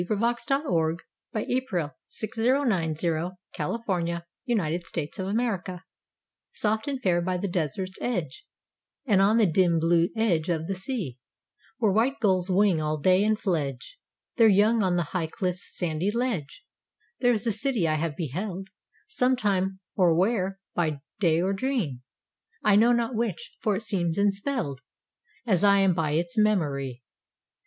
For never near Does it come, the day That draws me again to thee! THE CITY Soft and fair by the Desert's edge, And on the dim blue edge of the sea, Where white gulls wing all day and fledge Their young on the high cliff's sandy ledge, There is a city I have beheld, Sometime or where, by day or dream, I know not which, for it seems enspelled As I am by its memory.